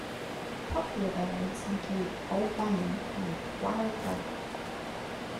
Popular variants include "Old Bangum" and "Wild Hog.